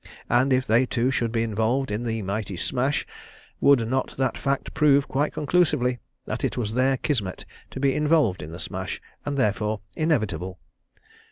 And if they, too, should be involved in the mighty smash, would not that fact prove quite conclusively that it was their kismet to be involved in the smash, and therefore inevitable?